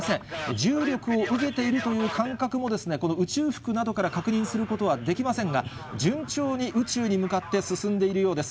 重力を受けているという感覚も、この宇宙服などから確認することはできませんが、順調に宇宙に向かって進んでいるようです。